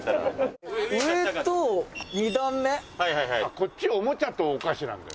「こっちおもちゃとお菓子なんだよ」